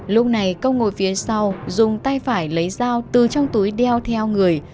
lúc này công ngồi phía sau dùng tay phải lấy dao từ trong túi đeo theo người